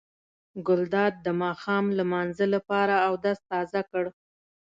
ګلداد د ماښام لمانځه لپاره اودس تازه کړ.